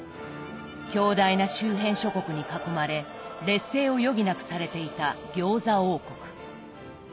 強大な周辺諸国に囲まれ劣勢を余儀なくされていた餃子王国。